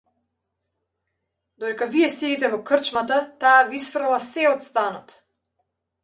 Додека вие седите во крчмата, таа да ви исфрла сѐ од станот!